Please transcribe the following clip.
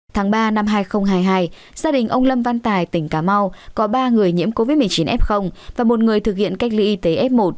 tháng ba năm hai nghìn hai mươi hai gia đình ông lâm văn tài tỉnh cà mau có ba người nhiễm covid một mươi chín f và một người thực hiện cách ly y tế f một